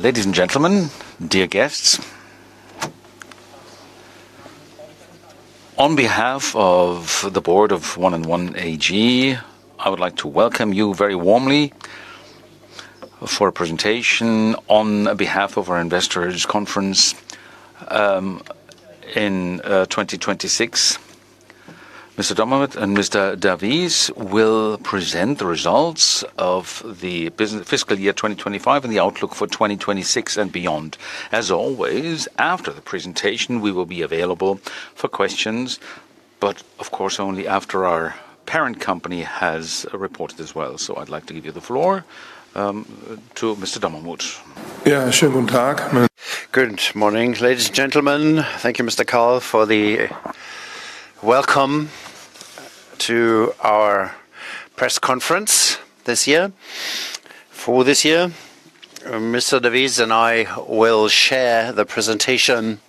Ladies and gentlemen, dear guests. On behalf of the board of 1&1 AG, I would like to welcome you very warmly for a presentation on behalf of our investors conference in 2026. Mr. Dommermuth and Mr. D'Avis will present the results of the business fiscal year 2025 and the outlook for 2026 and beyond. As always, after the presentation, we will be available for questions, but of course, only after our parent company has reported as well. I'd like to give you the floor to Mr. Dommermuth. Yeah. Good morning, ladies and gentlemen. Thank you, Oliver Keil, for the welcome to our press conference this year. For this year, Mr. D'Avis and I will share the presentation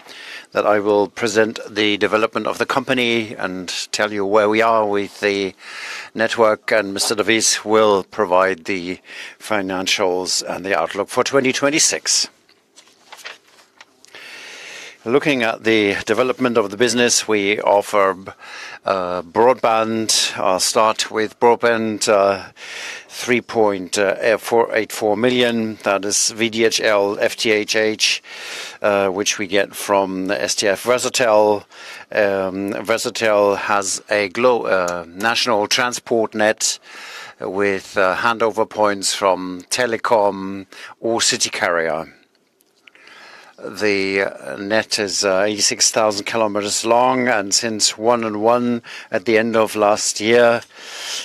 that I will present the development of the company and tell you where we are with the network, and Mr. D'Avis will provide the financials and the outlook for 2026. Looking at the development of the business, we offer broadband. I'll start with broadband, 3.484 million. That is VDSL, FTTH, which we get from 1&1 Versatel. Versatel has a national transport net with handover points from Telekom or city carrier. The net is 86,000 kilometers long and since 1&1, at the end of last year,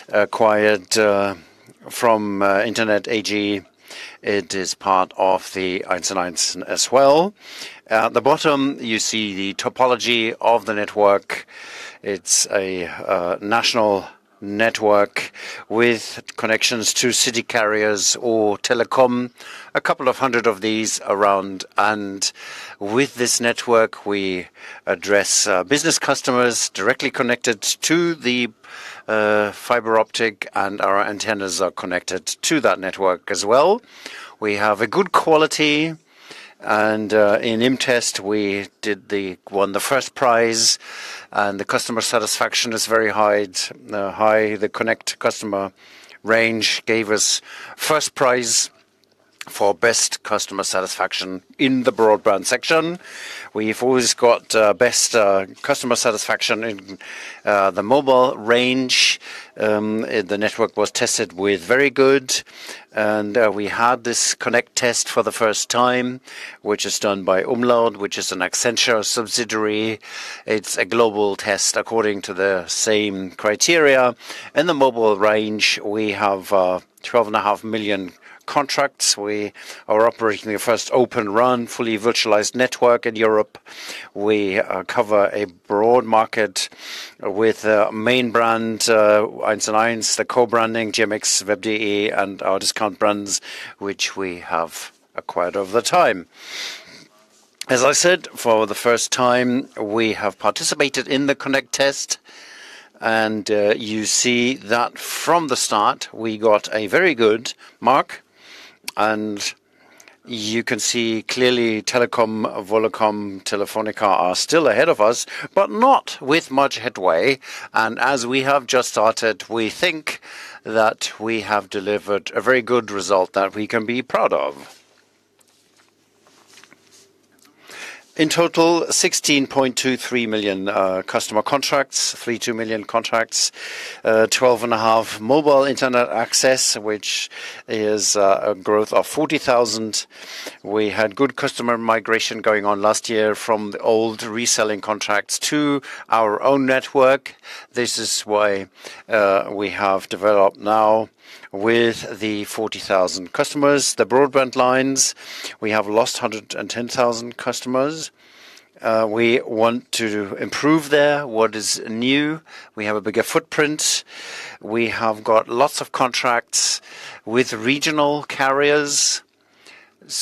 acquired from United Internet AG, it is part of the 1&1 as well. At the bottom, you see the topology of the network. It's a national network with connections to city carriers or telecom, a couple of hundred of these around. With this network, we address business customers directly connected to the fiber optic and our antennas are connected to that network as well. We have a good quality, and in IMTEST, we won the first prize, and the customer satisfaction is very high. The connect customer range gave us first prize for best customer satisfaction in the broadband section. We've always got best customer satisfaction in the mobile range. The network was tested with very good. We had this connect test for the first time, which is done by Umlaut, which is an Accenture subsidiary. It's a global test according to the same criteria. In the mobile range, we have 12.5 million contracts. We are operating the first Open RAN, fully virtualized network in Europe. We cover a broad market with a main brand, 1&1, the co-branding, GMX, Web.de, and our discount brands, which we have acquired over time. As I said, for the first time, we have participated in the Connect test. You see that from the start, we got a very good mark. You can see clearly Telekom, Vodafone, Telefónica are still ahead of us, but not with much headway. As we have just started, we think that we have delivered a very good result that we can be proud of. In total, 16.23 million customer contracts, 3.2 million contracts, 12.5 mobile internet access, which is a growth of 40,000. We had good customer migration going on last year from the old reselling contracts to our own network. This is why, we have developed now with the 40,000 customers. The broadband lines, we have lost 110,000 customers. We want to improve there. What is new? We have a bigger footprint. We have got lots of contracts with regional carriers.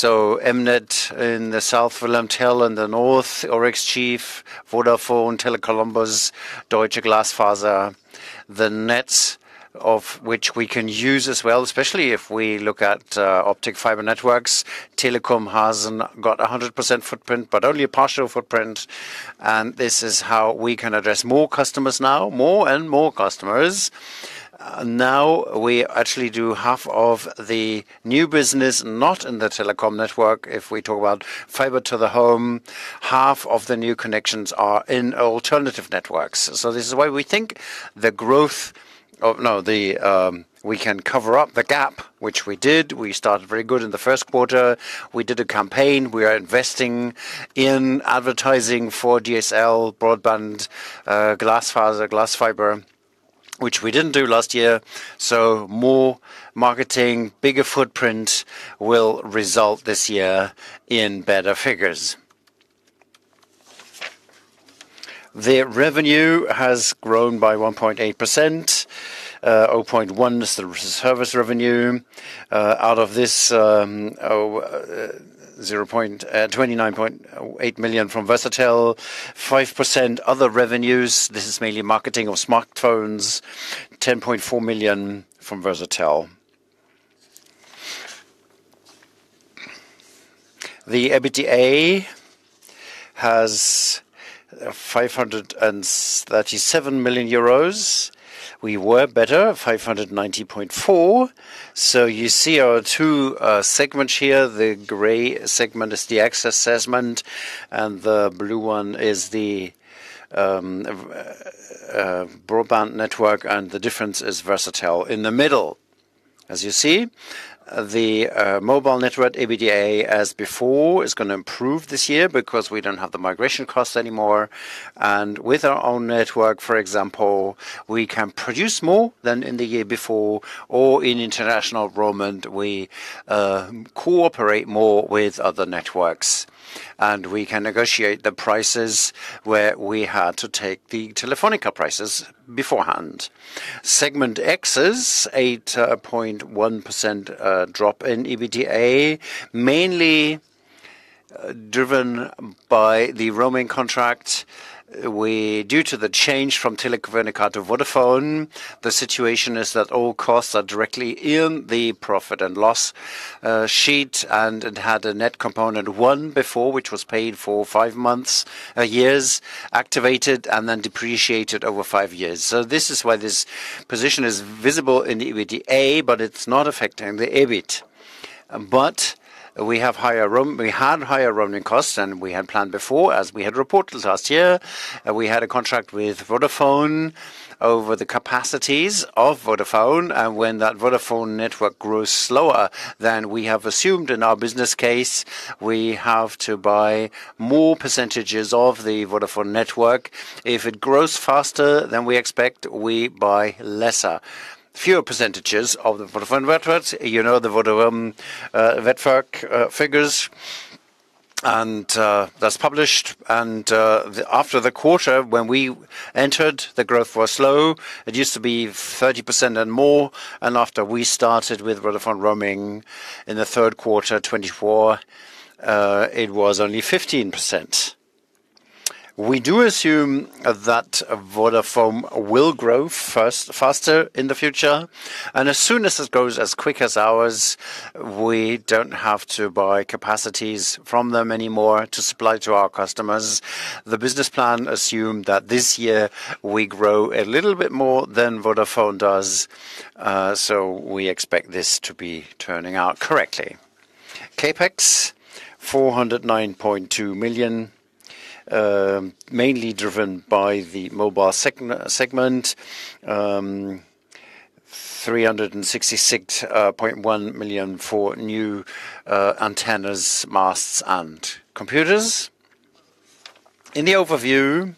M-net in the South, wilhelm.tel in the North, OXG, Vodafone, Tele Columbus, Deutsche Glasfaser. The nets of which we can use as well, especially if we look at, optic fiber networks. Deutsche Telekom hasn't got a 100% footprint, but only a partial footprint. This is how we can address more customers now, more and more customers. Now we actually do half of the new business not in the Deutsche Telekom network. If we talk about fiber to the home, half of the new connections are in alternative networks. We can cover up the gap, which we did. We started very good in the first quarter. We did a campaign. We are investing in advertising for DSL, broadband, glass fiber, which we didn't do last year. More marketing, bigger footprint will result this year in better figures. The revenue has grown by 1.8%. 0.1% is the service revenue. Out of this, 29.8 million from Versatel. 5% other revenues. This is mainly marketing of smartphones. 10.4 million from Versatel. The EBITDA has 537 million euros. We were better, 590.4 million. You see our two segments here. The gray segment is the access segment and the blue one is the broadband network, and the difference is Versatel. In the middle, as you see, the mobile network EBITDA, as before, is gonna improve this year because we don't have the migration costs anymore. With our own network, for example, we can provide more than in the year before, or in international roaming, we cooperate more with other networks, and we can negotiate the prices where we had to take the Telefónica prices beforehand. Access segment is 8.1% drop in EBITDA, mainly driven by the roaming contract. Due to the change from Telefónica to Vodafone, the situation is that all costs are directly in the profit and loss sheet, and it had a net component one before, which was paid for five years, activated and then depreciated over five years. This is why this position is visible in the EBITDA, but it's not affecting the EBIT. We had higher roaming costs than we had planned before, as we had reported last year. We had a contract with Vodafone over the capacities of Vodafone, and when that Vodafone network grows slower than we have assumed in our business case, we have to buy more percentages of the Vodafone network. If it grows faster than we expect, we buy lesser, fewer percentages of the Vodafone networks. You know the Vodafone network figures, and that's published. After the quarter, when we entered, the growth was slow. It used to be 30% and more. After we started with Vodafone roaming in the third quarter 2024, it was only 15%. We do assume that Vodafone will grow faster in the future. As soon as it grows as quick as ours, we don't have to buy capacities from them anymore to supply to our customers. The business plan assumed that this year we grow a little bit more than Vodafone does. We expect this to be turning out correctly. CapEx, 409.2 million, mainly driven by the mobile segment. 366.1 million for new antennas, masts and computers. In the overview,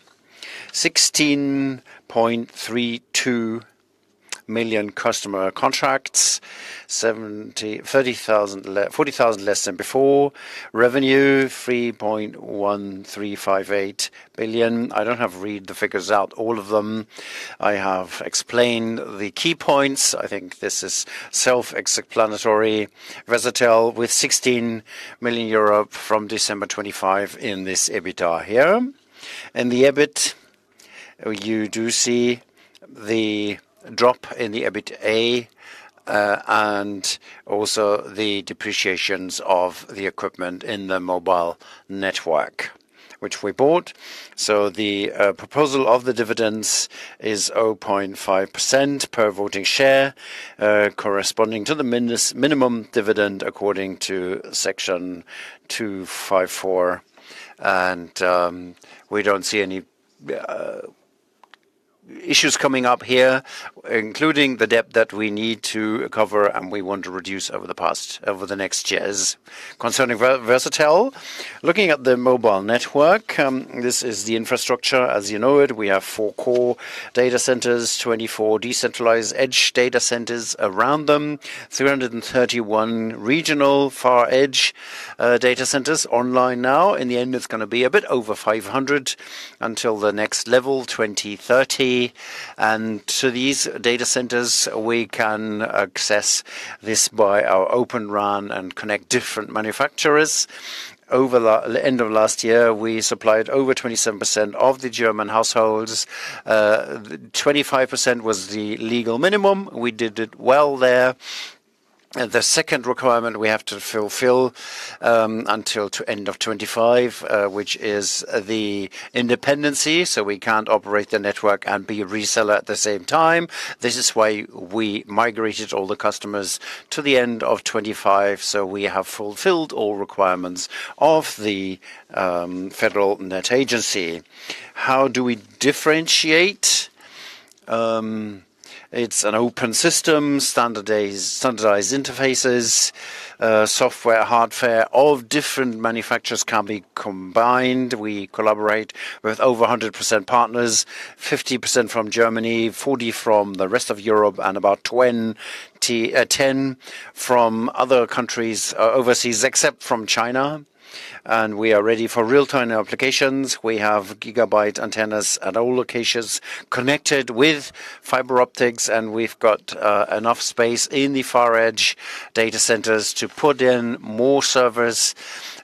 16.32 million customer contracts, 30,000, 40,000 less than before. Revenue, 3.1358 billion. I don't have to read the figures out, all of them. I have explained the key points. I think this is self-explanatory. Versatel with 16 million euro from December 25 in this EBITDA here. In the EBIT, you do see the drop in the EBITDA, and also the depreciations of the equipment in the mobile network which we bought. The proposal of the dividends is 0.5% per voting share, corresponding to the minimum dividend according to Section 254. We don't see any issues coming up here, including the debt that we need to cover and we want to reduce over the next years. Concerning Versatel, looking at the mobile network, this is the infrastructure. As you know it, we have four core data centers, 24 decentralized edge data centers around them, 331 regional far edge data centers online now. In the end, it's gonna be a bit over 500 until the next level, 2030. To these data centers, we can access this by our Open RAN and connect different manufacturers. At the end of last year, we supplied over 27% of the German households. 25% was the legal minimum. We did it well there. The second requirement we have to fulfill until the end of 2025, which is the independence, so we can't operate the network and be a reseller at the same time. This is why we migrated all the customers to the end of 2025, so we have fulfilled all requirements of the Federal Network Agency. How do we differentiate? It's an open system, standardized interfaces. Software, hardware, all different manufacturers can be combined. We collaborate with over 100 partners, 50% from Germany, 40% from the rest of Europe, and about 10% from other countries, overseas, except from China. We are ready for real-time applications. We have gigabit antennas at all locations connected with fiber optics, and we've got enough space in the far edge data centers to put in more servers.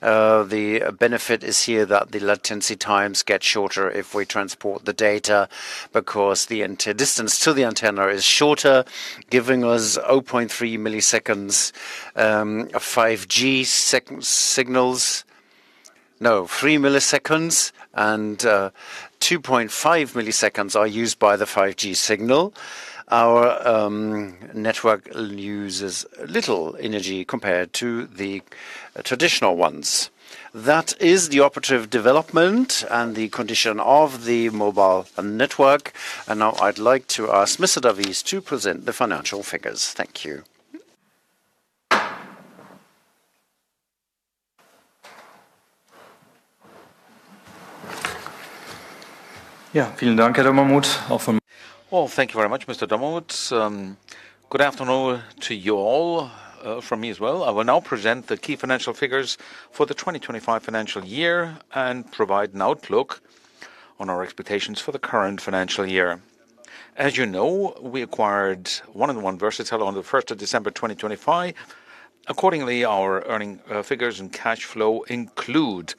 The benefit is here that the latency times get shorter if we transport the data because the distance to the antenna is shorter, giving us 0.3 milliseconds, 5G signals. No. 3 milliseconds and 2.5 milliseconds are used by the 5G signal. Our network uses little energy compared to the traditional ones. That is the operative development and the condition of the mobile network. Now I'd like to ask Mr. D'Avis to present the financial figures. Thank you. Well, thank you very much, Mr. Dommermuth. Good afternoon to you all from me as well. I will now present the key financial figures for the 2025 financial year and provide an outlook on our expectations for the current financial year. As you know, we acquired 1&1 Versatel on the first of December 2025. Accordingly, our earnings figures and cash flow include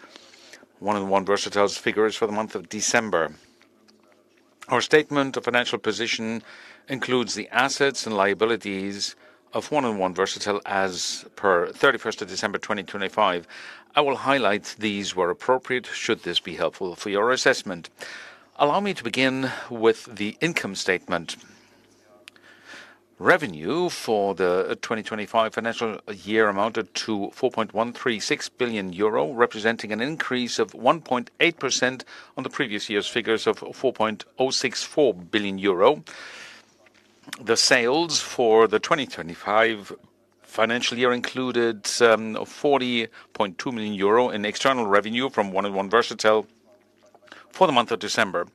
1&1 Versatel's figures for the month of December. Our statement of financial position includes the assets and liabilities of 1&1 Versatel as per thirty-first of December 2025. I will highlight these where appropriate should this be helpful for your assessment. Allow me to begin with the income statement. Revenue for the 2025 financial year amounted to 4.136 billion euro, representing an increase of 1.8% on the previous year's figures of 4.064 billion euro. The sales for the 2025 financial year included some 40.2 million euro in external revenue from 1&1 Versatel for the month of December.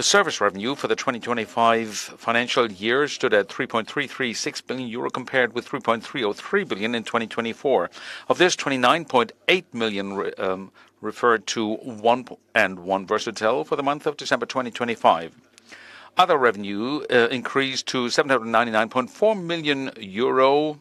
The service revenue for the 2025 financial year stood at 3.336 billion euro compared with 3.303 billion in 2024. Of this, 29.8 million referred to 1&1 Versatel for the month of December 2025. Other revenue increased to 799.4 million euro.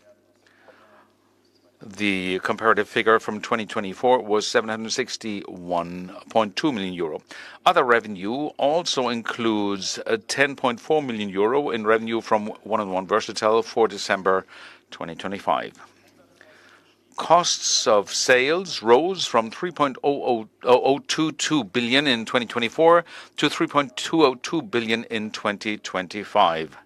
The comparative figure from 2024 was 761.2 million euro. Other revenue also includes 10.4 million euro in revenue from 1&1 Versatel for December 2025. Costs of sales rose from 3.0022 billion in 2024 to 3.202 billion in 2025.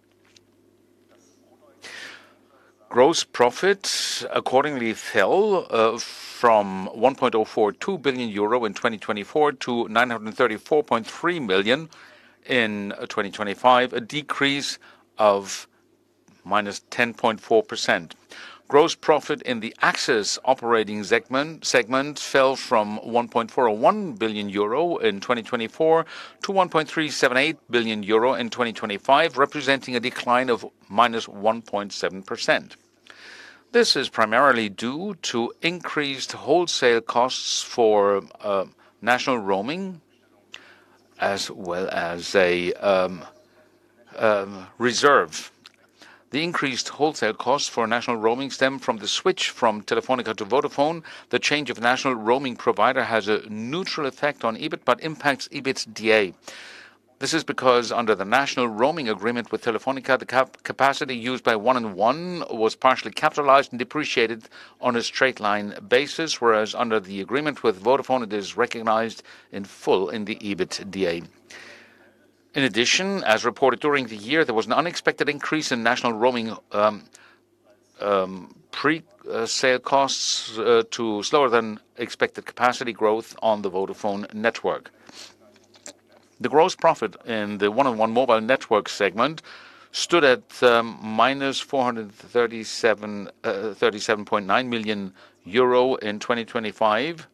Gross profits accordingly fell from 1.042 billion euro in 2024 to 934.3 million in 2025. A decrease of -10.4%. Gross profit in the access operating segment fell from 1.401 billion euro in 2024 to 1.378 billion euro in 2025, representing a decline of -1.7%. This is primarily due to increased wholesale costs for national roaming as well as a reserve. The increased wholesale costs for national roaming stem from the switch from Telefónica to Vodafone. The change of national roaming provider has a neutral effect on EBIT, but impacts EBITDA. This is because under the national roaming agreement with Telefónica, the capacity used by 1&1 was partially capitalized and depreciated on a straight-line basis, whereas under the agreement with Vodafone, it is recognized in full in the EBITDA. In addition, as reported during the year, there was an unexpected increase in national roaming presale costs due to slower than expected capacity growth on the Vodafone network. The gross profit in the 1&1 mobile network segment stood at -437.9 million euro in 2025,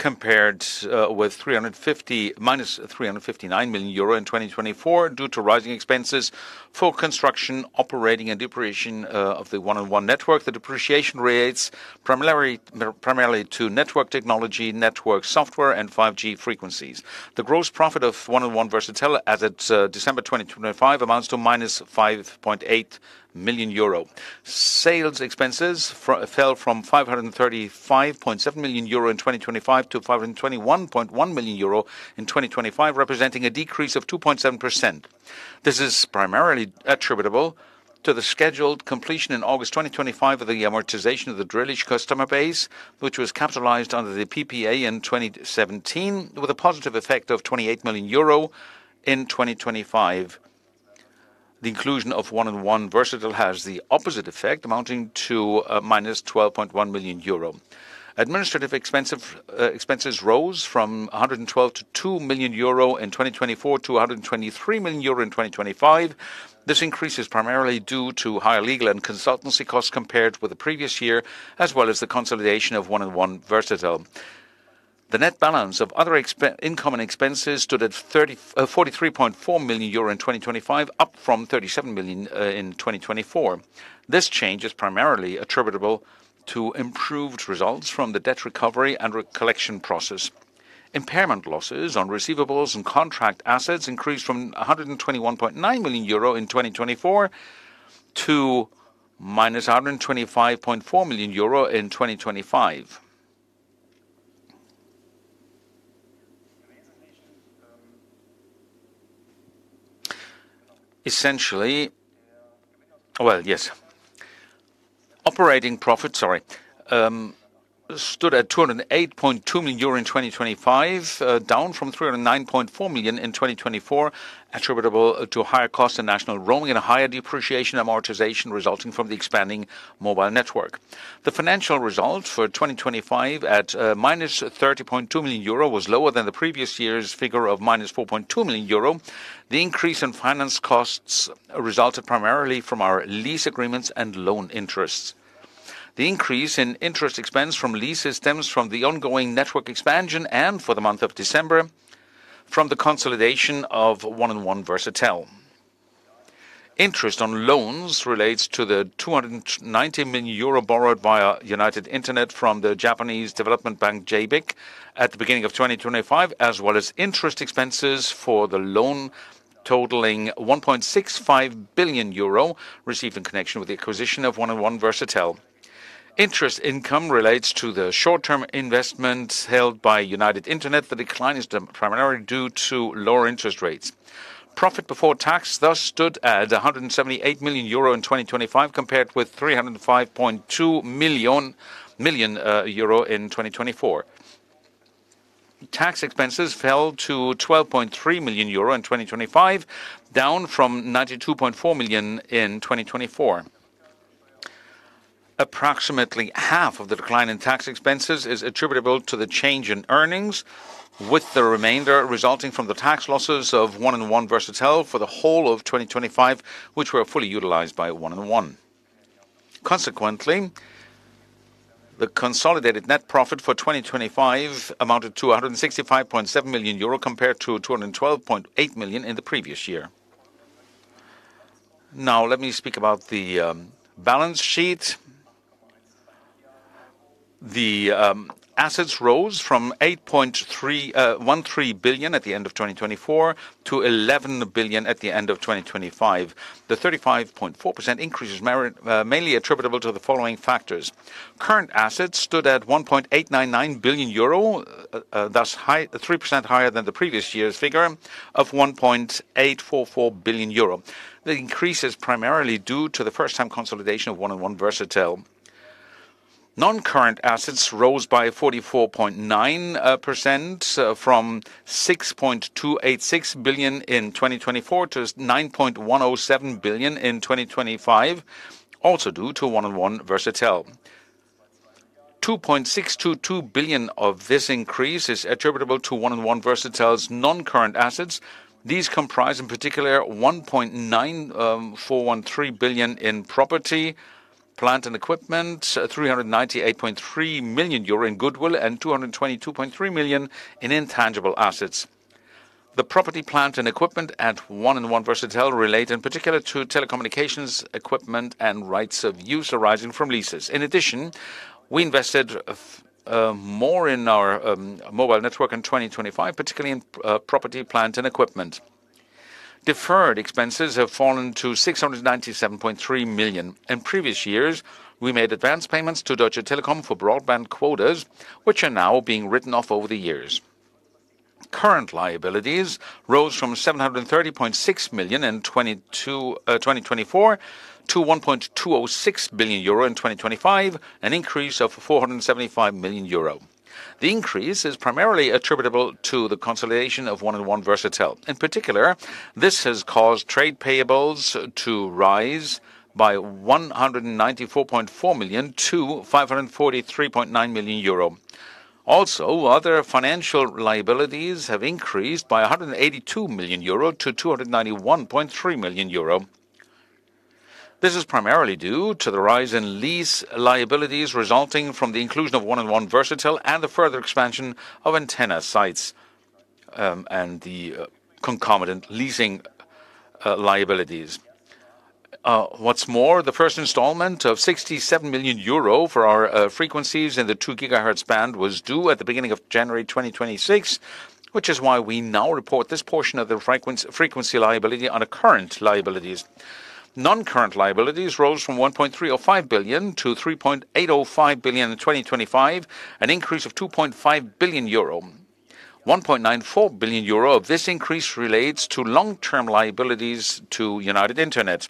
compared with -359 million euro in 2024 due to rising expenses for construction, operating and depreciation of the 1&1 network. The depreciation rates primarily to network technology, network software and 5G frequencies. The gross profit of 1&1 Versatel as of December 2025 amounts to -5.8 million euro. Sales expenses fell from 535.7 million euro in 2025 to 521.1 million euro in 2025, representing a decrease of 2.7%. This is primarily attributable to the scheduled completion in August 2025 of the amortization of the Drillisch customer base, which was capitalized under the PPA in 2017 with a positive effect of 28 million euro in 2025. The inclusion of 1&1 Versatel has the opposite effect, amounting to -12.1 million euro. Administrative expenses rose from 112.2 million euro in 2024 to 123 million euro in 2025. This increase is primarily due to higher legal and consultancy costs compared with the previous year, as well as the consolidation of 1&1 Versatel. The net balance of other income and expenses stood at 43.4 million euro in 2025, up from 37 million in 2024. This change is primarily attributable to improved results from the debt recovery and re-collection process. Impairment losses on receivables and contract assets increased from 121.9 million euro in 2024 to -125.4 million euro in 2025. Operating profit stood at 208.2 million euro in 2025, down from 309.4 million in 2024, attributable to higher costs in national roaming and a higher depreciation amortization resulting from the expanding mobile network. The financial result for 2025 at -30.2 million euro was lower than the previous year's figure of -4.2 million euro. The increase in finance costs resulted primarily from our lease agreements and loan interests. The increase in interest expense from lease systems from the ongoing network expansion and for the month of December from the consolidation of 1&1 Versatel. Interest on loans relates to the 290 million euro borrowed via United Internet from the Japanese development bank JBIC at the beginning of 2025, as well as interest expenses for the loan totaling 1.65 billion euro received in connection with the acquisition of 1&1 Versatel. Interest income relates to the short-term investments held by United Internet. The decline is primarily due to lower interest rates. Profit before tax thus stood at 178 million euro in 2025, compared with 305.2 million euro in 2024. Tax expenses fell to 12.3 million euro in 2025, down from 92.4 million in 2024. Approximately half of the decline in tax expenses is attributable to the change in earnings, with the remainder resulting from the tax losses of 1&1 Versatel for the whole of 2025, which were fully utilized by 1&1. Consequently, the consolidated net profit for 2025 amounted to 165.7 million euro compared to 212.8 million in the previous year. Now let me speak about the balance sheet. The assets rose from 8.313 billion at the end of 2024 to 11 billion at the end of 2025. The 35.4% increase is mainly attributable to the following factors. Current assets stood at 1.899 billion euro, thus 3% higher than the previous year's figure of 1.844 billion euro. The increase is primarily due to the first-time consolidation of 1&1 Versatel. Non-current assets rose by 44.9% from 6.286 billion in 2024 to 9.107 billion in 2025, also due to 1&1 Versatel. 2.622 billion of this increase is attributable to 1&1 Versatel's non-current assets. These comprise, in particular, 1.9413 billion in property, plant and equipment, 398.3 million euro in goodwill and 222.3 million in intangible assets. The property, plant and equipment at 1&1 Versatel relate in particular to telecommunications equipment and rights of use arising from leases. In addition, we invested more in our mobile network in 2025, particularly in property, plant and equipment. Deferred expenses have fallen to 697.3 million. In previous years, we made advance payments to Deutsche Telekom for broadband quotas, which are now being written off over the years. Current liabilities rose from 730.6 million in 2024 to 1.206 billion euro in 2025, an increase of 475 million euro. The increase is primarily attributable to the consolidation of 1&1 Versatel. In particular, this has caused trade payables to rise by 194.4 million to 543.9 million euro. Also, other financial liabilities have increased by 182 million euro to 291.3 million euro. This is primarily due to the rise in lease liabilities resulting from the inclusion of 1&1 Versatel and the further expansion of antenna sites and the concomitant leasing liabilities. What's more, the first installment of 67 million euro for our frequencies in the 2 GHz band was due at the beginning of January 2026, which is why we now report this portion of the frequency liability under current liabilities. Non-current liabilities rose from 1.305 billion to 3.805 billion in 2025, an increase of 2.5 billion euro. 1.94 billion euro of this increase relates to long-term liabilities to United Internet.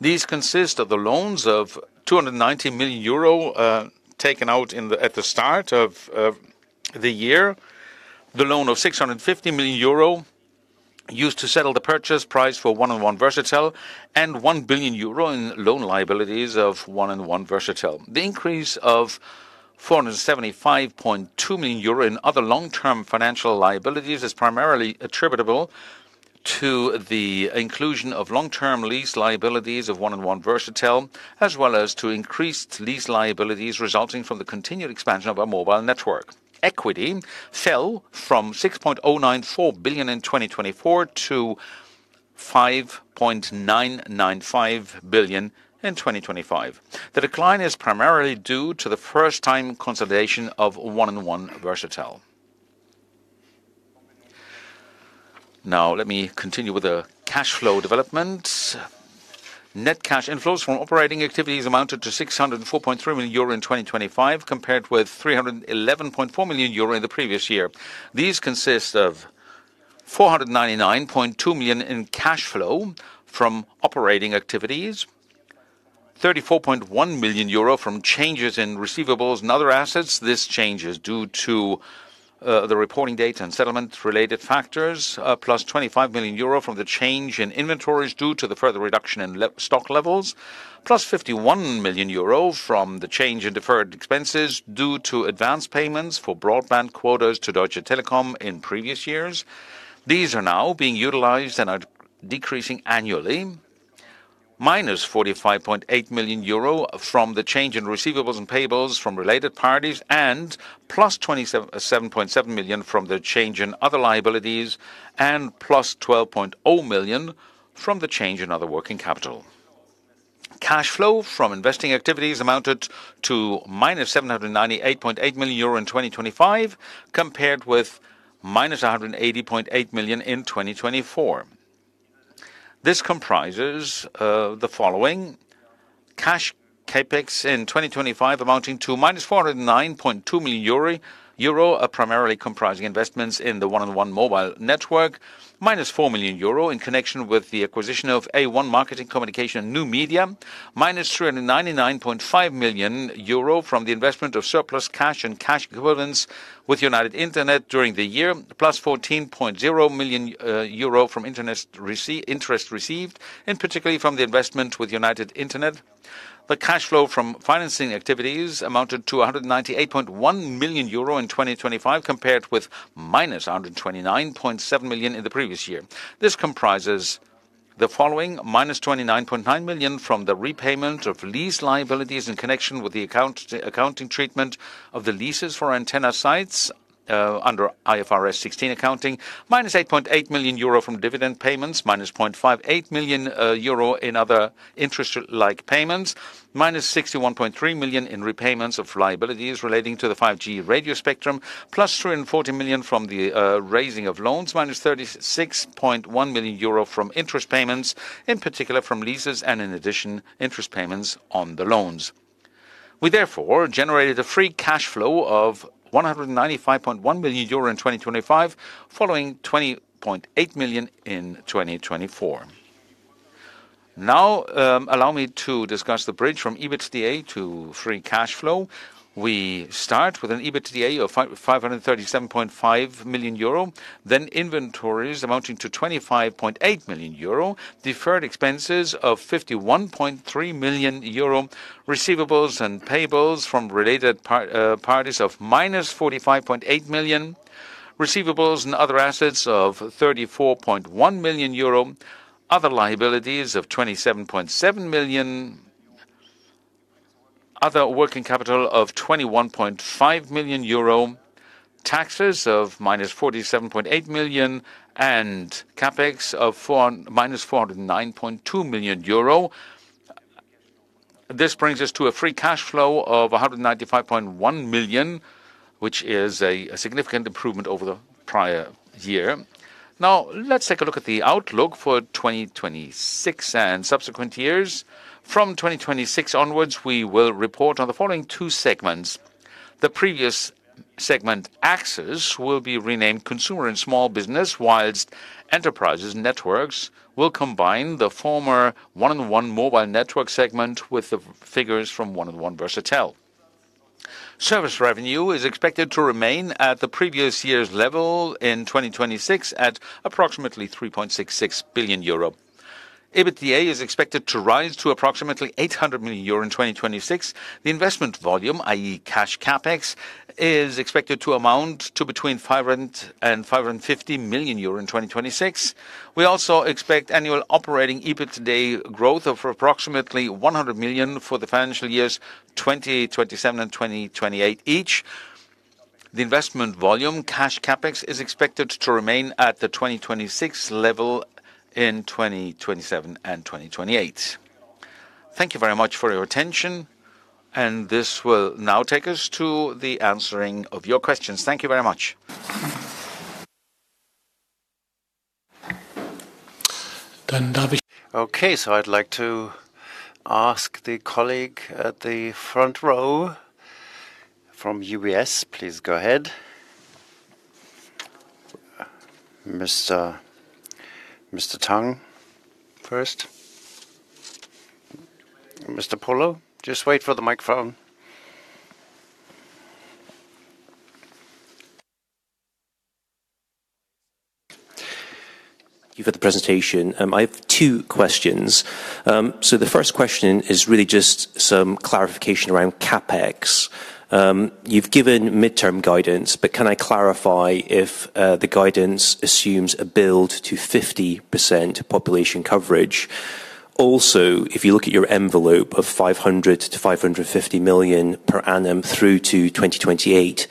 These consist of the loans of 290 million euro taken out at the start of the year. The loan of 650 million euro used to settle the purchase price for 1&1 Versatel and 1 billion euro in loan liabilities of 1&1 Versatel. The increase of 475.2 million euro in other long-term financial liabilities is primarily attributable to the inclusion of long-term lease liabilities of 1&1 Versatel, as well as to increased lease liabilities resulting from the continued expansion of our mobile network. Equity fell from 6.094 billion in 2024 to 5.995 billion in 2025. The decline is primarily due to the first-time consolidation of 1&1 Versatel. Now let me continue with the cash flow development. Net cash inflows from operating activities amounted to 604.3 million euro in 2025, compared with 311.4 million euro in the previous year. These consist of 499.2 million in cash flow from operating activities, 34.1 million euro from changes in receivables and other assets. This change is due to the reporting date and settlement-related factors, +25 million euro from the change in inventories due to the further reduction in stock levels, +51 million euro from the change in deferred expenses due to advanced payments for broadband quotas to Deutsche Telekom in previous years. These are now being utilized and are decreasing annually. -45.8 million euro from the change in receivables and payables from related parties and +27.7 million from the change in other liabilities and +12.0 million from the change in other working capital. Cash flow from investing activities amounted to -798.8 million euro in 2025, compared with -180.8 million in 2024. This comprises the following. Cash CapEx in 2025 amounting to -409.2 million euro are primarily comprising investments in the 1&1 mobile network, -4 million euro in connection with the acquisition of A 1 Marketing, Kommunikation und neue Medien GmbH, -399.5 million euro from the investment of surplus cash and cash equivalents with United Internet during the year, +14.0 million euro from interest received, in particular from the investment with United Internet. The cash flow from financing activities amounted to 198.1 million euro in 2025 compared with -129.7 million in the previous year. This comprises the following: -29.9 million from the repayment of lease liabilities in connection with the account, accounting treatment of the leases for antenna sites, under IFRS 16 accounting, -8.8 million euro from dividend payments, -0.58 million euro in other interest-like payments, -61.3 million in repayments of liabilities relating to the 5G radio spectrum, +340 million from the raising of loans, -36.1 million euro from interest payments, in particular from leases and in addition, interest payments on the loans. We therefore generated a free cash flow of 195.1 million euro in 2025, following 20.8 million in 2024. Now, allow me to discuss the bridge from EBITDA to free cash flow. We start with an EBITDA of 557.5 million euro. Inventories amounting to 25.8 million euro. Deferred expenses of 51.3 million euro. Receivables and payables from related parties of -45.8 million. Receivables and other assets of 34.1 million euro. Other liabilities of 27.7 million. Other working capital of 21.5 million euro. Taxes of -47.8 million, and CapEx of -409.2 million euro. This brings us to a free cash flow of 195.1 million, which is a significant improvement over the prior year. Now let's take a look at the outlook for 2026 and subsequent years. From 2026 onwards, we will report on the following two segments. The previous segment Access will be renamed Consumer and Small Business, while Enterprise Networks will combine the former 1&1 mobile network segment with the figures from 1&1 Versatel. Service revenue is expected to remain at the previous year's level in 2026 at approximately 3.66 billion euro. EBITDA is expected to rise to approximately 800 million euro in 2026. The investment volume, i.e. cash CapEx, is expected to amount to between 500 million euro and 550 million euro in 2026. We also expect annual operating EBITDA growth of approximately 100 million for the financial years 2027 and 2028 each. The investment volume cash CapEx is expected to remain at the 2026 level in 2027 and 2028. Thank you very much for your attention, and this will now take us to the answering of your questions. Thank you very much. Okay, I'd like to ask the colleague at the front row from UBS, please go ahead. Mr. Tung first. Mr. Polo, just wait for the microphone. you for the presentation. I have two questions. The first question is really just some clarification around CapEx. You've given midterm guidance, but can I clarify if the guidance assumes a build to 50% population coverage? Also, if you look at your envelope of 500 million-550 million per annum through to 2028,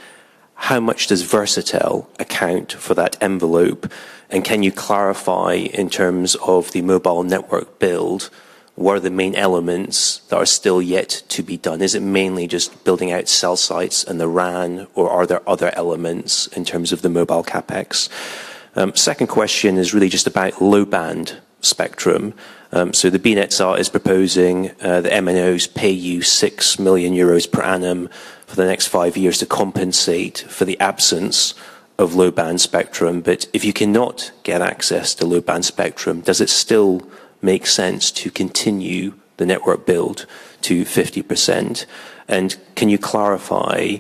how much does Versatel account for that envelope? And can you clarify in terms of the mobile network build, what are the main elements that are still yet to be done? Is it mainly just building out cell sites and the RAN, or are there other elements in terms of the mobile CapEx? Second question is really just about low-band spectrum. The Bundesnetzagentur is proposing the MNOs pay you 6 million euros per annum for the next five years to compensate for the absence of low-band spectrum. If you cannot get access to low-band spectrum, does it still make sense to continue the network build to 50%? Can you clarify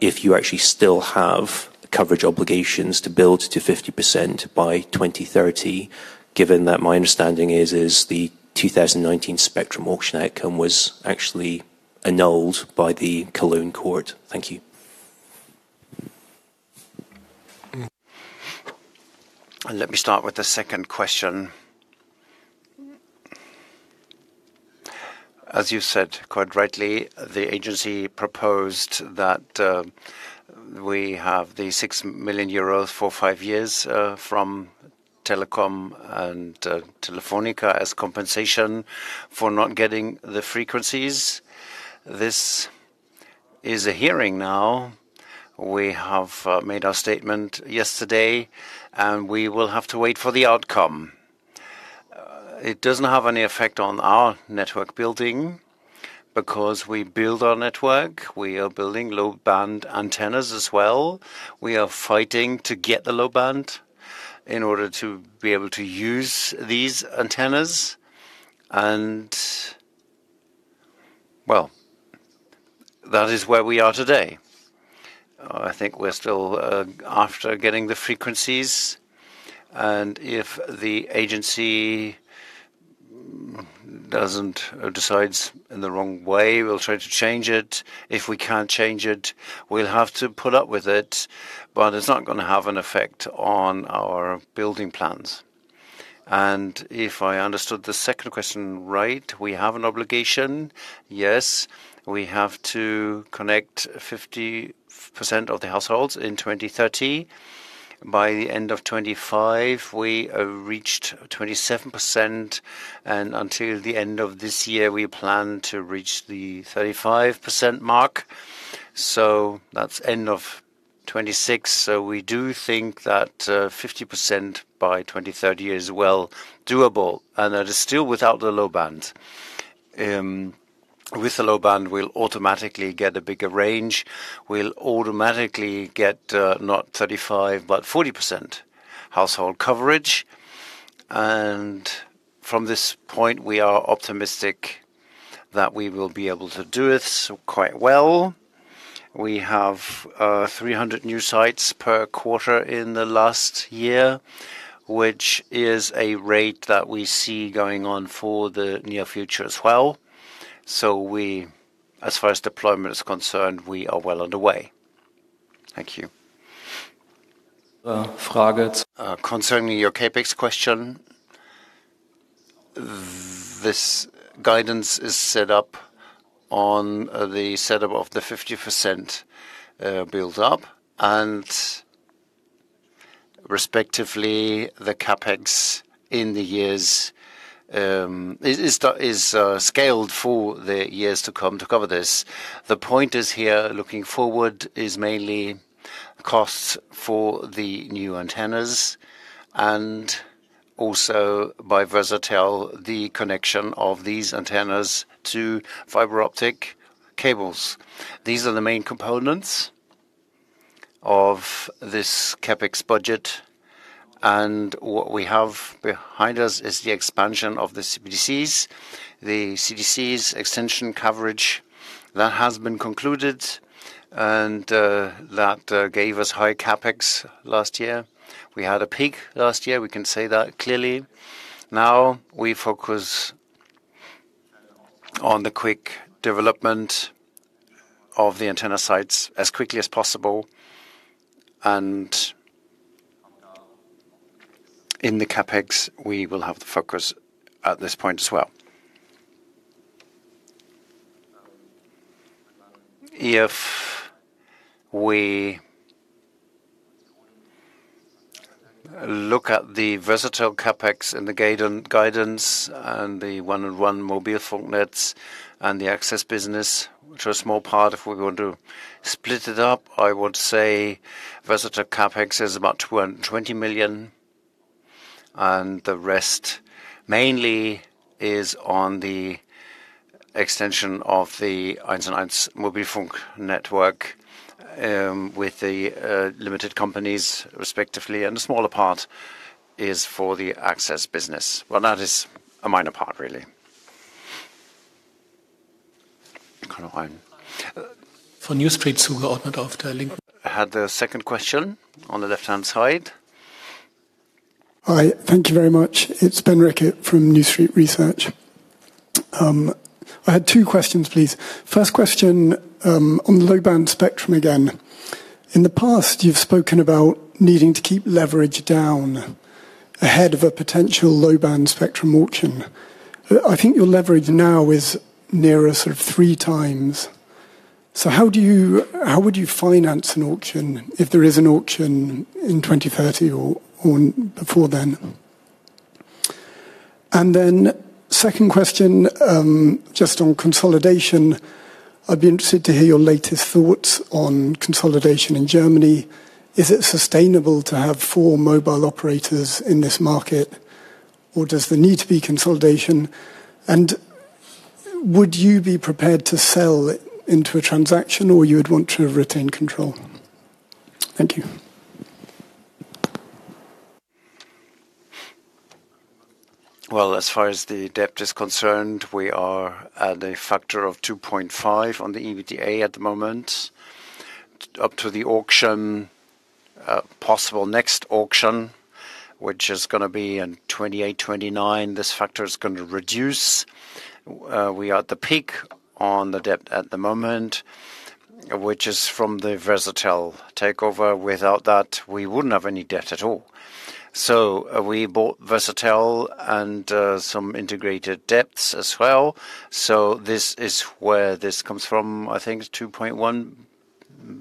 if you actually still have coverage obligations to build to 50% by 2030, given that my understanding is the 2019 spectrum auction outcome was actually annulled by the Cologne court? Thank you. Let me start with the second question. As you said, quite rightly, the agency proposed that we have the 6 million euros for five years from Deutsche Telekom and Telefónica as compensation for not getting the frequencies. This is a hearing now. We have made our statement yesterday, and we will have to wait for the outcome. It doesn't have any effect on our network building because we build our network. We are building low-band antennas as well. We are fighting to get the low band in order to be able to use these antennas. Well, that is where we are today. I think we're still after getting the frequencies, and if the agency decides in the wrong way, we'll try to change it. If we can't change it, we'll have to put up with it, but it's not gonna have an effect on our building plans. If I understood the second question right, we have an obligation. Yes, we have to connect 50% of the households in 2030. By the end of 2025, we have reached 27%, and until the end of this year, we plan to reach the 35% mark. That's end of 2026. We do think that 50% by 2030 is well doable and that is still without the low band. With the low band, we'll automatically get a bigger range. We'll automatically get not 35%, but 40% household coverage. From this point, we are optimistic that we will be able to do it quite well. We have 300 new sites per quarter in the last year, which is a rate that we see going on for the near future as well. We, as far as deployment is concerned, we are well underway. Thank you. Uh, Concerning your CapEx question, this guidance is set up on the set up of the 50% build-up, and respectively, the CapEx in the years is scaled for the years to come to cover this. The point is here, looking forward, is mainly costs for the new antennas and also by Versatel, the connection of these antennas to fiber optic cables. These are the main components of this CapEx budget, and what we have behind us is the expansion of the CBCs. The CBCs extension coverage, that has been concluded, and that gave us high CapEx last year. We had a peak last year. We can say that clearly. Now, we focus on the quick development of the antenna sites as quickly as possible. In the CapEx, we will have the focus at this point as well. If we look at the 1&1 Versatel CapEx and the guidance and the 1&1 mobile network and the access business, which are a small part if we're going to split it up, I would say 1&1 Versatel CapEx is about 20 million, and the rest mainly is on the extension of the 1&1 Mobilfunk network with the limited companies respectively, and a smaller part is for the access business. Well, that is a minor part, really. For New Street I had the second question on the left-hand side. Hi. Thank you very much. It's Ben Rickett from New Street Research. I had two questions, please. First question, on the low-band spectrum again. In the past, you've spoken about needing to keep leverage down ahead of a potential low-band spectrum auction. I think your leverage now is nearer sort of 3x. How would you finance an auction if there is an auction in 2030 or before then? Second question, just on consolidation. I'd be interested to hear your latest thoughts on consolidation in Germany. Is it sustainable to have four mobile operators in this market or does there need to be consolidation? Would you be prepared to sell into a transaction or you would want to retain control? Thank you. Well, as far as the debt is concerned, we are at a factor of 2.5x the EBITDA at the moment. Up to the auction, possible next auction, which is gonna be in 2028, 2029, this factor is gonna reduce. We are at the peak on the debt at the moment, which is from the Versatel takeover. Without that, we wouldn't have any debt at all. We bought Versatel and some integrated debts as well. This is where this comes from. I think it's 2.1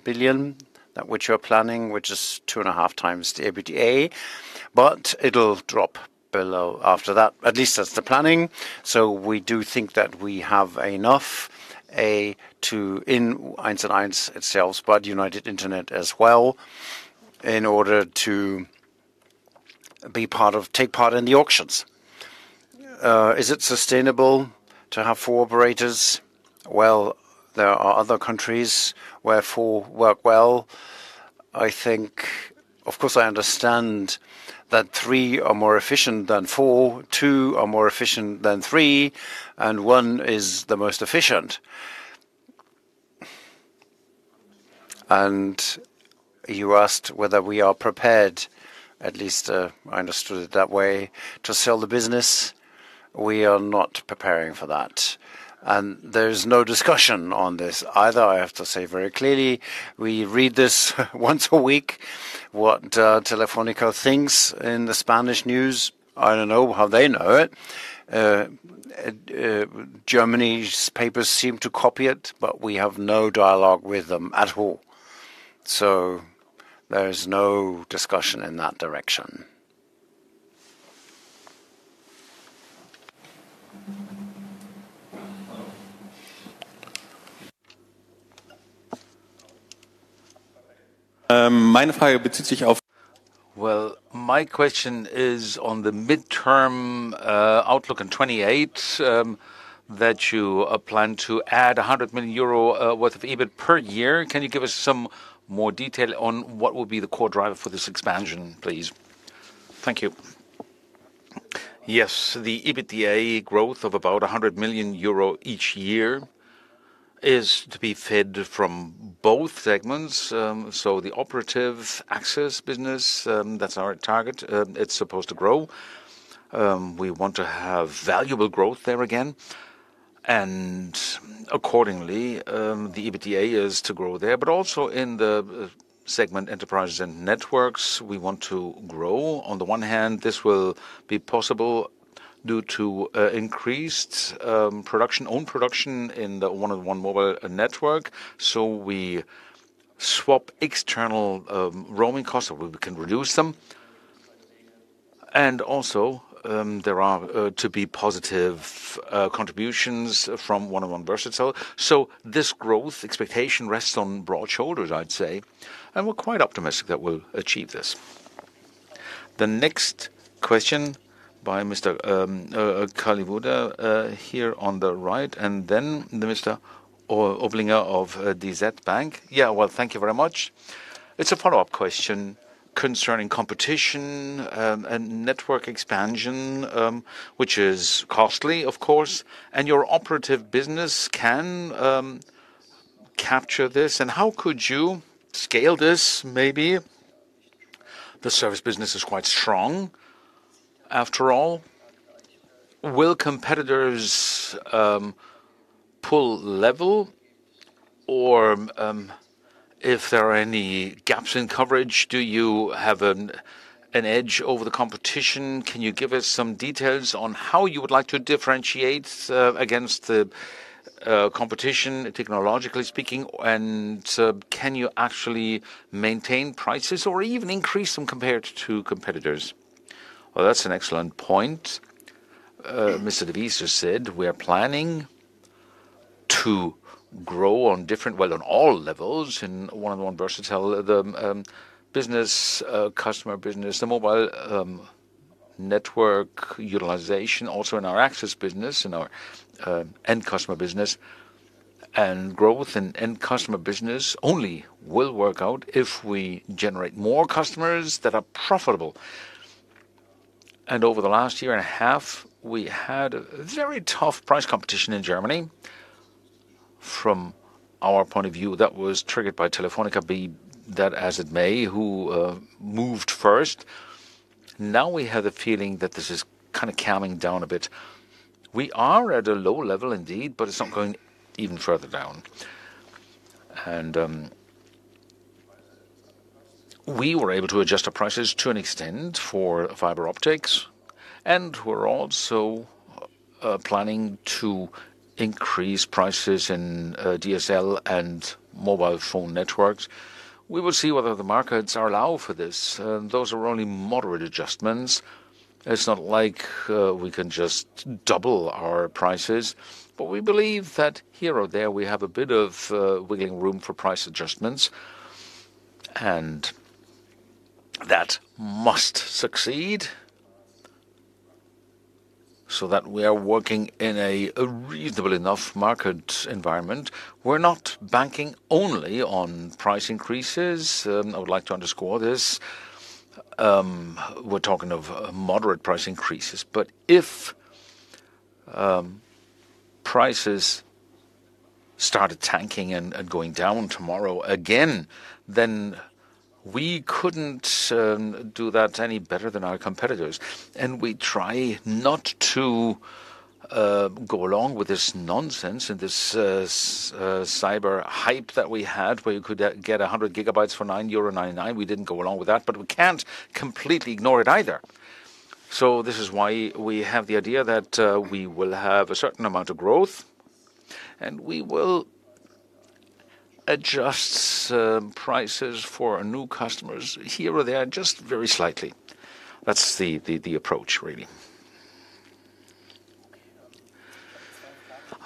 billion, that which we're planning, which is 2.5x the EBITDA, but it'll drop below after that. At least that's the planning. We do think that we have enough to in United Internet as well, in order to take part in the auctions. Is it sustainable to have four operators? Well, there are other countries where four work well. I think, of course I understand that three are more efficient than four, two are more efficient than three, and one is the most efficient. You asked whether we are prepared, at least, I understood it that way, to sell the business. We are not preparing for that. There's no discussion on this either, I have to say very clearly. We read this once a week, what Telefónica thinks in the Spanish news. I don't know how they know it. Germany's papers seem to copy it, but we have no dialogue with them at all. There is no discussion in that direction. Um, Well, my question is on the midterm outlook in 2028 that you plan to add 100 million euro worth of EBIT per year. Can you give us some more detail on what will be the core driver for this expansion, please? Thank you. Yes. The EBITDA growth of about 100 million euro each year is to be fed from both segments. The operative access business, that's our target, it's supposed to grow. We want to have valuable growth there again. Accordingly, the EBITDA is to grow there. In the segment enterprises and networks, we want to grow. On the one hand, this will be possible due to increased production, own production in the 1&1 mobile network. We swap external roaming costs or we can reduce them. There are to be positive contributions from 1&1 Versatel. This growth expectation rests on broad shoulders, I'd say. We're quite optimistic that we'll achieve this. The next question by Mr. Kalivoda here on the right, and then the Mr. Oblinger of DZ Bank. Yeah. Well, thank you very much. It's a follow-up question concerning competition and network expansion, which is costly, of course. Your operative business can capture this. How could you scale this maybe? The service business is quite strong, after all. Will competitors pull level? Or, if there are any gaps in coverage, do you have an edge over the competition? Can you give us some details on how you would like to differentiate against the competition, technologically speaking? Can you actually maintain prices or even increase them compared to competitors? Well, that's an excellent point. Mr. D'Avis said we are planning to grow on different, well in all levels in 1&1 Versatel. The business customer business, the mobile network utilization also in our access business, in our end customer business. Growth in end customer business only will work out if we generate more customers that are profitable. Over the last year and a half, we had very tough price competition in Germany. From our point of view, that was triggered by Telefónica, be that as it may, who moved first. Now we have the feeling that this is kind of calming down a bit. We are at a low level indeed, but it's not going even further down. We were able to adjust our prices to an extent for fiber optics, and we're also planning to increase prices in DSL and mobile phone networks. We will see whether the markets allow for this. Those are only moderate adjustments. It's not like we can just double our prices. We believe that here or there, we have a bit of wiggle room for price adjustments, and that must succeed so that we are working in a reasonable enough market environment. We're not banking only on price increases. I would like to underscore this. We're talking of moderate price increases. If prices started tanking and going down tomorrow again, then we couldn't do that any better than our competitors. We try not to go along with this nonsense and this cyber hype that we had, where you could get 100 GB for 9.99 euro. We didn't go along with that, but we can't completely ignore it either. This is why we have the idea that we will have a certain amount of growth, and we will adjust prices for our new customers here or there, just very slightly. That's the approach, really.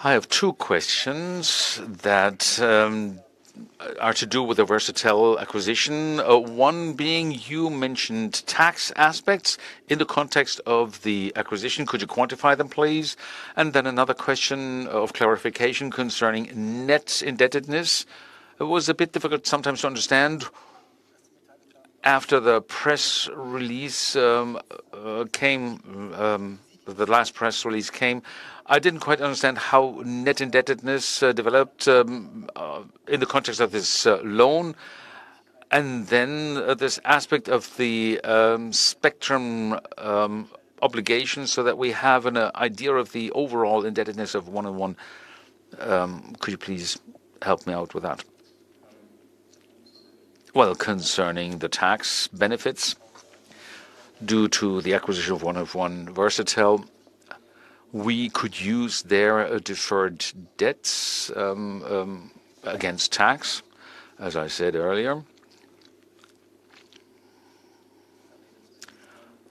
I have two questions that are to do with the 1&1 Versatel acquisition. One being, you mentioned tax aspects in the context of the acquisition. Could you quantify them, please? Then another question of clarification concerning net indebtedness. It was a bit difficult sometimes to understand after the press release came, the last press release came. I didn't quite understand how net indebtedness developed in the context of this loan, and then this aspect of the spectrum obligation, so that we have an idea of the overall indebtedness of 1&1. Could you please help me out with that? Well, concerning the tax benefits, due to the acquisition of 1&1 Versatel, we could use their deferred debts against tax, as I said earlier.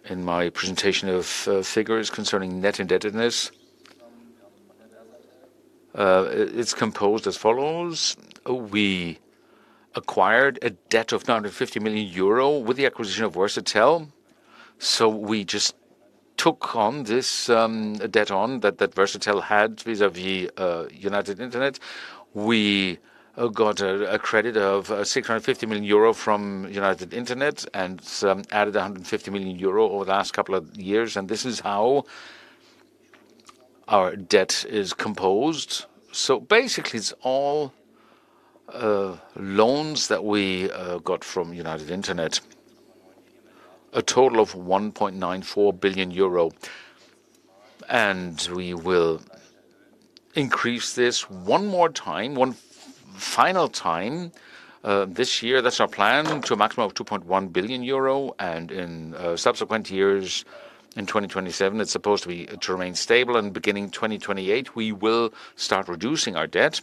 In my presentation of figures concerning net indebtedness, it's composed as follows. We acquired a debt of 950 million euro with the acquisition of Versatel, so we just took on this debt that Versatel had vis-à-vis United Internet. We got a credit of 650 million euro from United Internet and added 150 million euro over the last couple of years, and this is how our debt is composed. Basically, it's all loans that we got from United Internet, a total of 1.94 billion euro. We will increase this one more time, one final time, this year. That's our plan, to a maximum of 2.1 billion euro. In subsequent years, in 2027, it's supposed to be to remain stable. Beginning 2028, we will start reducing our debt.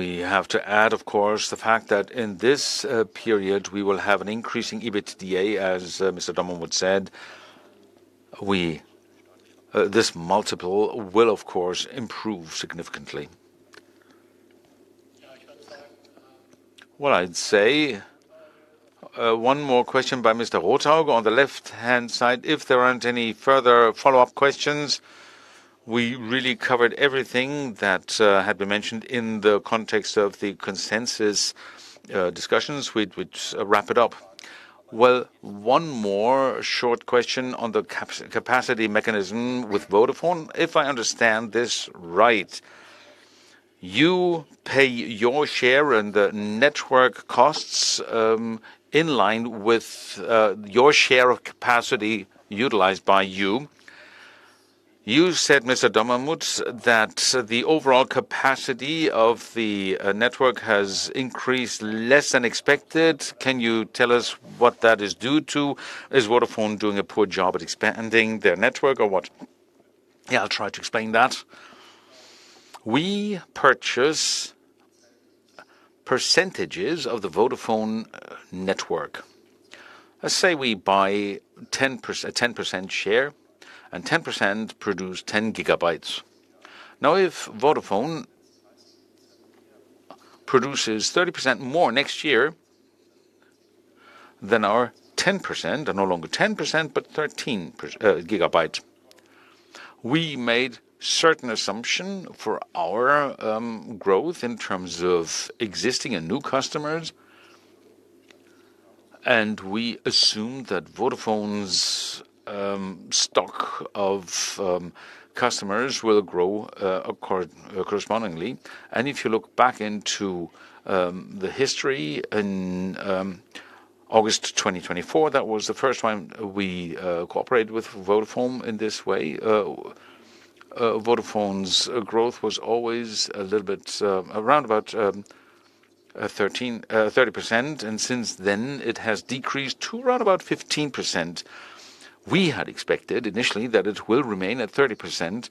We have to add, of course, the fact that in this period, we will have an increasing EBITDA, as Mr. Dommermuth said. This multiple will, of course, improve significantly. Well, I'd say, one more question by Mr. Rothaug on the left-hand side. If there aren't any further follow-up questions, we really covered everything that had been mentioned in the context of the consensus discussions. We'd wrap it up. Well, one more short question on the capacity mechanism with Vodafone. If I understand this right, you pay your share in the network costs, in line with, your share of capacity utilized by you. You said, Mr. Dommermuth, that the overall capacity of the, network has increased less than expected. Can you tell us what that is due to? Is Vodafone doing a poor job at expanding their network or what? Yeah, I'll try to explain that. We purchase percentages of the Vodafone network. Let's say we buy a 10% share, and 10% produce 10 GB. Now, if Vodafone produces 30% more next year than our 10%, no longer 10%, but 13 gigabytes. We made certain assumption for our growth in terms of existing and new customers, and we assumed that Vodafone's stock of customers will grow correspondingly. If you look back into the history in August 2024, that was the first time we cooperated with Vodafone in this way. Vodafone's growth was always a little bit around about 30%, and since then it has decreased to around about 15%. We had expected initially that it will remain at 30%.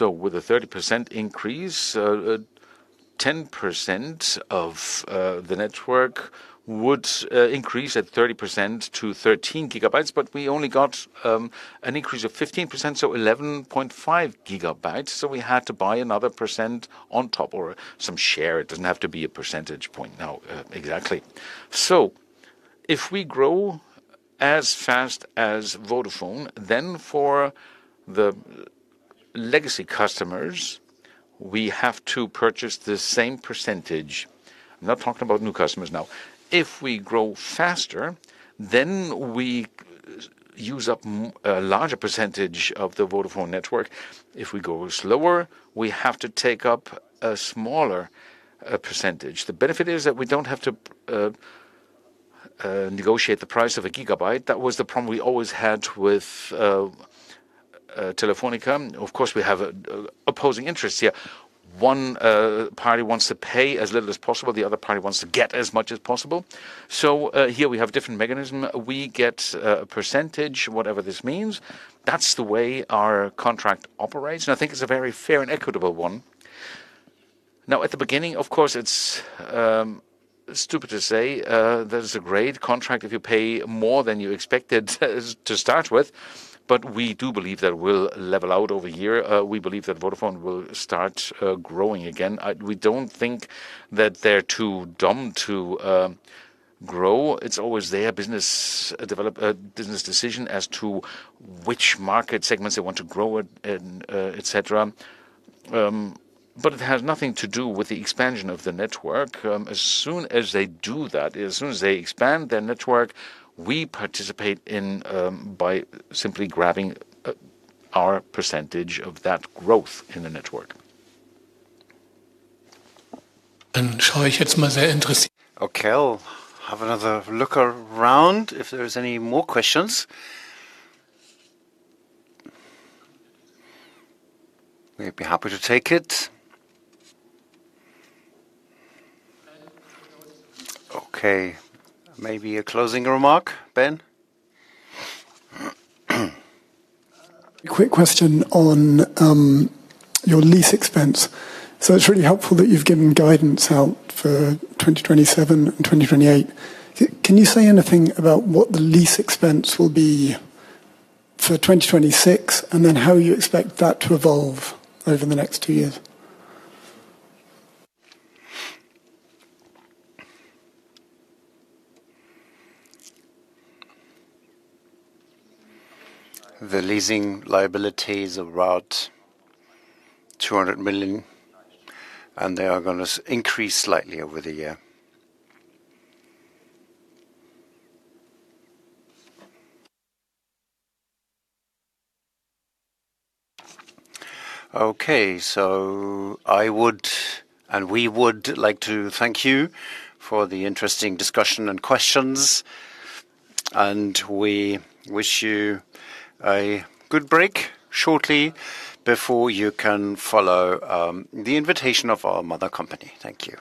With a 30% increase, 10% of the network would increase at 30% to 13 GB, but we only got an increase of 15%, so 11.5 GB. We had to buy another percent on top or some share. It doesn't have to be a percentage point now, exactly. If we grow as fast as Vodafone, then for the legacy customers, we have to purchase the same percentage. I'm not talking about new customers now. If we grow faster, then we use up a larger percentage of the Vodafone network. If we grow slower, we have to take up a smaller percentage. The benefit is that we don't have to negotiate the price of a gigabyte. That was the problem we always had with Telefónica. Of course, we have opposing interests here. One party wants to pay as little as possible, the other party wants to get as much as possible. Here we have different mechanism. We get a percentage, whatever this means. That's the way our contract operates. I think it's a very fair and equitable one. Now, at the beginning, of course, it's stupid to say that it's a great contract if you pay more than you expected to start with. We do believe that we'll level out over here. We believe that Vodafone will start growing again. We don't think that they're too dumb to grow. It's always their business decision as to which market segments they want to grow and et cetera. It has nothing to do with the expansion of the network. As soon as they do that, as soon as they expand their network, we participate in by simply grabbing our percentage of that growth in the network. Okay, I'll have another look around if there's any more questions. We'd be happy to take it. Okay, maybe a closing remark. Ben? Quick question on your lease expense. It's really helpful that you've given guidance for 2027 and 2028. Can you say anything about what the lease expense will be for 2026, and then how you expect that to evolve over the next two years? The leasing liability is about 200 million, and they are gonna increase slightly over the year. Okay. I would, and we would like to thank you for the interesting discussion and questions, and we wish you a good break shortly before you can follow the invitation of our parent company. Thank you.